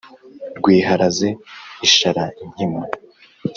rwiharaze isharankima.